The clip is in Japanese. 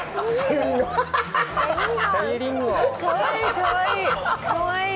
かわいい、かわいい。